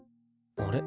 あれ？